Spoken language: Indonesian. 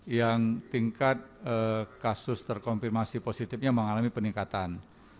yang tingkat kasus terkonfirmasi positifnya mengalami peningkatan